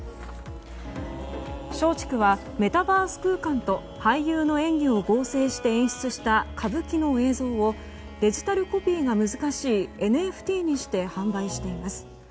松竹はメタバース空間と俳優の演技を合成して演出した歌舞伎の映像をデジタルコピーが難しいＮＦＴにして販売しています。